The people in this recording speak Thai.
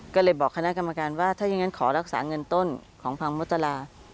ก็เลยบอกคณะกรรมการว่าถ้าอย่างนั้นขอรักษาเงินต้นของพังมตรา